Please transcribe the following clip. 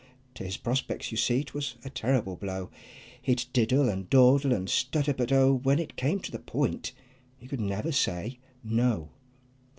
To his prospects you see 'twas a terrible blow. He'd diddle, and dawdle, and stutter, but oh! When it came to the point he could never say "No!"